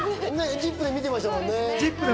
『ＺＩＰ！』で見てましたもんね。